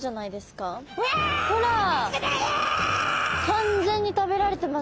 完全に食べられてます。